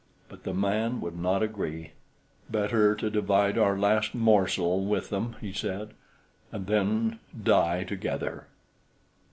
But the man would not agree. "Better to divide our last morsel with them," he said, "and then die together."